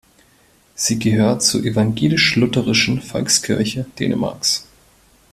Sie gehört zur evangelisch-lutherischen Volkskirche Dänemarks.